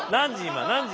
何時？